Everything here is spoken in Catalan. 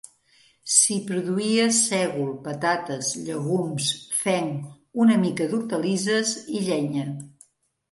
S'hi produïa sègol, patates, llegums, fenc, una mica d'hortalisses i llenya.